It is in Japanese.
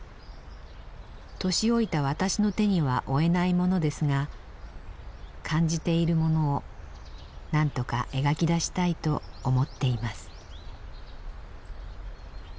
年老いた私の手には負えないものですが感じているものをなんとか描き出したいと思っています」。